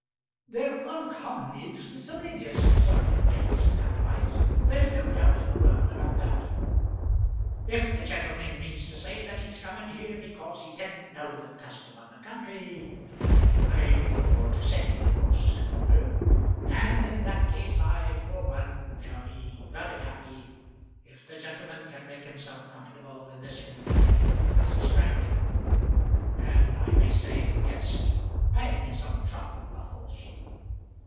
"They're uncommonly miscellaneous in Surrey and Kent," said Kantwise. "There's no doubt in the world about that." "If the gentleman means to say that he's come in here because he didn't know the custom of the country, I've no more to say, of course," said Moulder. "And in that case, I, for one, shall be very happy if the gentleman cam make himself comfortable in this room as a stranger, and I may say guest; paying his own shot, of course."